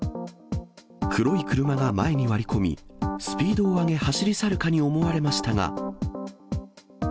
黒い車が前に割り込み、スピードを上げ、走り去るかに思われましたが。